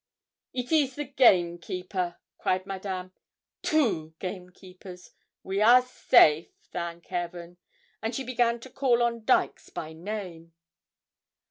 'It is the gamekeeper,' cried Madame. 'Two gamekeepers we are safe thank Heaven!' and she began to call on Dykes by name.